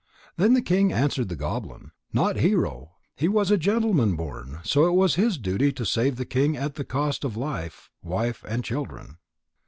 Then the king answered the goblin: "Not Hero. He was a gentleman born, so it was his duty to save his king at the cost of life, wife and children.